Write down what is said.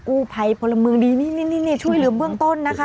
กู้ภัยพลเมืองดีนี่ช่วยเหลือเบื้องต้นนะคะ